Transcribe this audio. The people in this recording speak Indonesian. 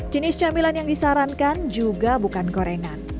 jenis camilan yang disarankan juga bukan gorengan